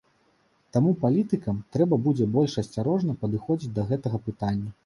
Таму палітыкам трэба будзе больш асцярожна падыходзіць да гэтага пытання.